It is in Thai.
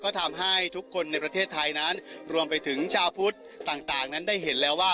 ก็ทำให้ทุกคนในประเทศไทยนั้นรวมไปถึงชาวพุทธต่างนั้นได้เห็นแล้วว่า